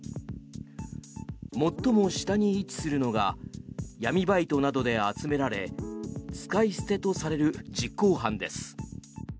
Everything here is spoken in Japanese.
最も下に位置するのが闇バイトなどで集められ使い捨てとされる実行犯です。